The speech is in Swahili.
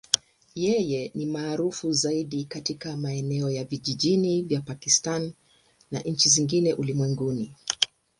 Yeye ni maarufu zaidi katika maeneo ya vijijini ya Pakistan na nchi zingine ulimwenguni.